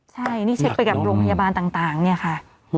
ใช่นี่เช็คไปกับโรงพยาบาลต่างเนี่ยค่ะ